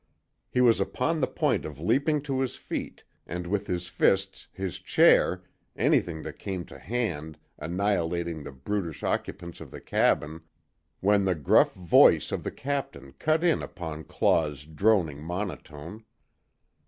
He was upon the point of leaping to his feet, and with his fists, his chair anything that came to hand, annihilating the brutish occupants of the cabin, when the gruff voice of the Captain cut in upon Claw's droning monotone.